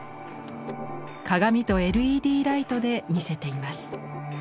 鏡とＬＥＤライトで見せています。